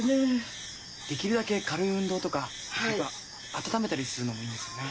できるだけ軽い運動とか温めたりするのもいいんですね。